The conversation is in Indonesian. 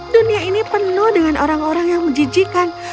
dunia ini penuh dengan orang orang yang menjijikan